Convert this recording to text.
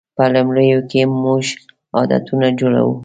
په لومړیو کې موږ عادتونه جوړوو.